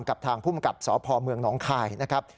กับทางภูมิกับสพเมืองหนองคายนะครับ